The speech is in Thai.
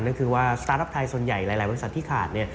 ก็คือว่าสตาร์ทอัพไทยส่วนใหญ่หลายบริษัทที่ขาด